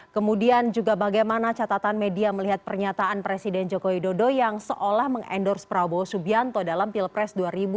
kemudian juga bagaimana catatan media melihat pernyataan presiden joko widodo yang seolah mengendorse prabowo subianto dalam pilpres dua ribu dua puluh